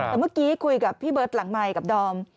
แต่เมื่อกี้คุยกับพี่เบิร์ตหลังใหม่กับดอม